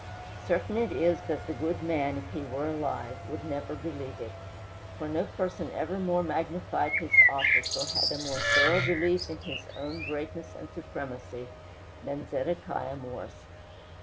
Certain it is that the good man, if he were alive, would never believe it; for no person ever more magnified his office, or had a more thorough belief in his own greatness and supremacy, than Zedekiah Morse.